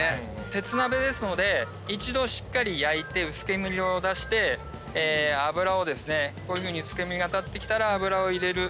鉄鍋ですので一度しっかり焼いて薄煙を出して油をですねこういうふうに薄煙が立ってきたら油を入れる。